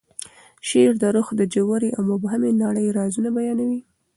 شعر د روح د ژورې او مبهمې نړۍ رازونه بیانوي.